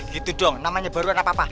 gitu dong namanya baruan apa apa